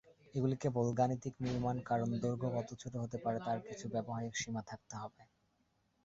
এগুলি কেবল গাণিতিক নির্মাণ কারণ দৈর্ঘ্য কত ছোট হতে পারে তার কিছু ব্যবহারিক সীমা থাকতে হবে।